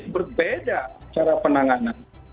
berbeda cara penanganan